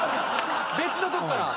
別のとこから。